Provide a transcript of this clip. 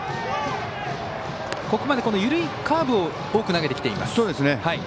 ここまで緩いカーブを多く投げてきています。